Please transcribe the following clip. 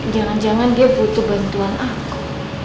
jangan jangan dia butuh bantuan aku